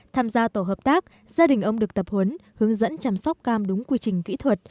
tham gia tổ hợp tác gia đình ông được tập huấn hướng dẫn chăm sóc cam đúng quy trình kỹ thuật